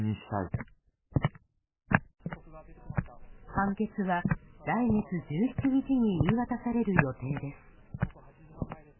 判決は来月１７日に言い渡される予定です。